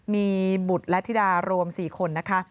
มีบุตรและธิดารวม๔คนนะคะ